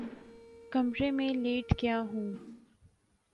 کمرے میں لیٹ گیا ہوں